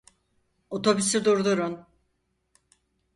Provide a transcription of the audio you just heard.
Otobüsü durdurun!